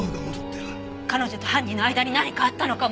彼女と犯人の間に何かあったのかも。